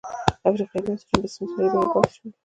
افریقايي بنسټونه په استثماري بڼه پاتې شول.